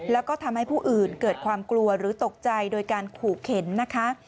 แล้วก็ทำให้ผู้อื่นเกิดความกลัวหรือตกใจโดยการขู่เข็นนะคะ